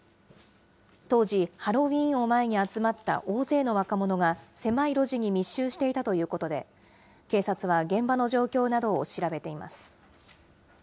当時、ハロウィーンを前に集まった大勢の若者が狭い路地に密集していたということで、警察は現場の状況などを調べています。